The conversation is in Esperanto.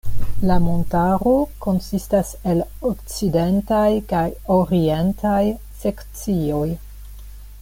La montaro konsistas el okcidentaj kaj orientaj sekcioj.